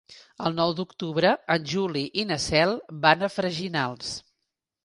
El nou d'octubre en Juli i na Cel van a Freginals.